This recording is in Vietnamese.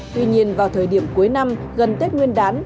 tuy nhiên vào thời điểm cuối năm gần tết nguyên đán